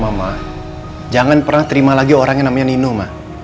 mama jangan pernah terima lagi orang yang namanya nino mah